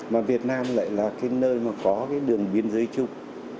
mà việt nam lại là nơi có đường biên giới chung